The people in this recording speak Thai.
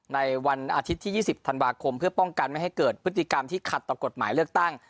ในวันอาทิตย์ที่๒๐ธันวาคมเพื่อป้องกันไม่ให้เกิดพฤติกรรมที่ขัดต่อกฎหมายเลือกตั้ง